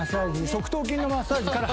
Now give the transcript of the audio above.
側頭筋のマッサージから。